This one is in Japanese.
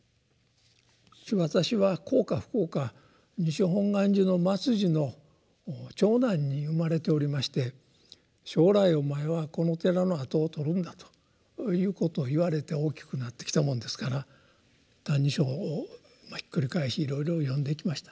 私は幸か不幸か西本願寺の末寺の長男に生まれておりまして「将来お前はこの寺の跡をとるんだ」ということを言われて大きくなってきたものですから「歎異抄」をひっくり返しいろいろ読んできました。